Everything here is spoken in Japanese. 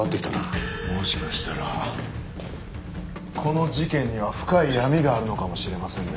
もしかしたらこの事件には深い闇があるのかもしれませんね。